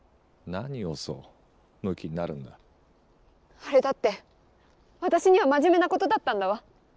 あれだって私には真面目なことだったんだわ。